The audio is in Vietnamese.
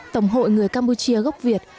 tổng hội người campuchia gốc việt